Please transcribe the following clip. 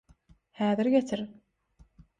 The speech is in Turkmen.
Häzir getir.